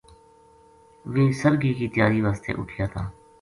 ویہ سرگی کی تیاری واسطے اُٹھیا تھا